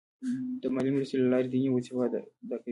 د مالي مرستې له لارې دیني وظیفه ادا کوي.